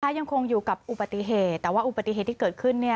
ยังคงอยู่กับอุบัติเหตุแต่ว่าอุบัติเหตุที่เกิดขึ้น